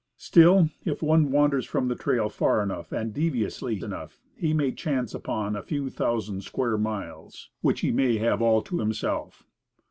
Still, if one wanders from the trail far enough and deviously enough, he may chance upon a few thousand square miles which he may have all to himself.